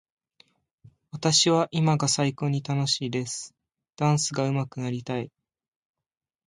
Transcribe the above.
私は今が最高に楽しいです。ダンスがうまくなりたい。